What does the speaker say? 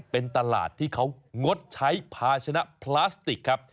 เป็นตลาดที่เขางดใช้ภาชนะพลาสติกครับ